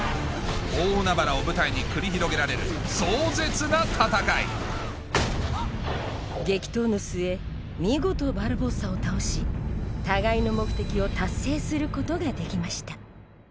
大海原を舞台に繰り広げられる壮絶な戦い激闘の末見事バルボッサを倒し互いの目的を達成することができました